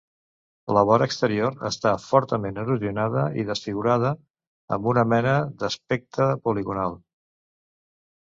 La vora exterior està fortament erosionada i desfigurada, amb una mena d'aspecte poligonal.